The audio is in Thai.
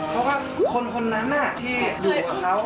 เพราะว่าคนนั้นที่อยู่กับเขา